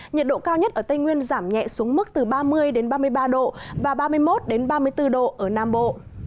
nhiệt độ cao nhất ở tây nguyên giảm nhẹ xuống mức từ ba mươi ba mươi ba độ và ba mươi một ba mươi bốn độ ở nam bộ